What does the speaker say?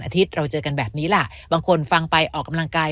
อาทิตย์เราเจอกันแบบนี้ล่ะบางคนฟังไปออกกำลังกาย